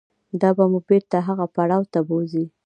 دا به مو بېرته هغه پړاو ته بوځي.